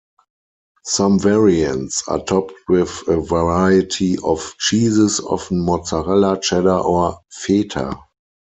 Some variants are topped with a variety of cheeses, often mozzarella, cheddar or feta.